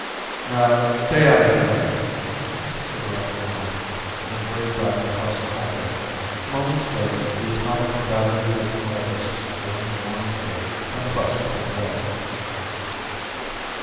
"Now stay out of the road," the driver warned, then hurried back across the highway. Moments later, the atomic battery driven motors droned mournfully, and the bus pulled away.